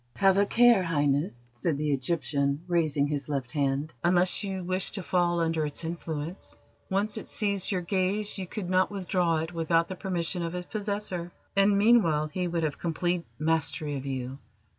"Have a care, Highness," said the Egyptian, raising his left hand, "unless you wish to fall under its influence. Once it seized your gaze you could not withdraw it without the permission of its possessor, and meanwhile he would have complete mastery of you.